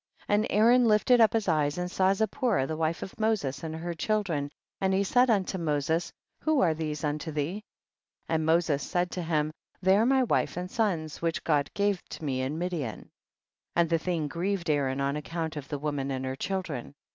15. And Aaron lifted up his eyes, and saw Zipporah the wife of Moses and her children, and he said unto Moses, who are these unto thee ? 16. And Moses said to him, they are my wife and sons, which God gave to me in Midian ; and the thing grieved Aaron on account of the wo man and her children.